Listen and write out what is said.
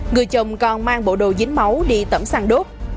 người chồng còn mang bộ đồ dính máu đi tẩm sàng đốt